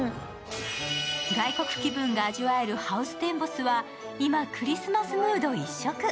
外国気分が味わえるハウステンボスは今、クリスマスムード一色。